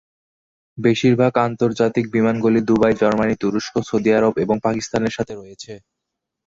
বেশিরভাগ আন্তর্জাতিক বিমানগুলি দুবাই, জার্মানি, তুরস্ক, সৌদি আরব এবং পাকিস্তানের সাথে রয়েছে।